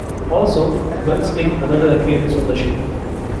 Also, guns make another appearance on the show.